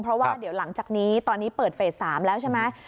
เพราะว่าเดี๋ยวหลังจากนี้ตอนนี้เปิดเฟส๓แล้วใช่ไหม